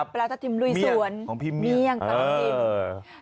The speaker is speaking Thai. ปลาทับทิมลุยสวนเมียงปลาทิม